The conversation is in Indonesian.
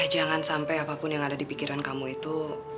jangan sampai apapun yang ada di pikiran kamu itu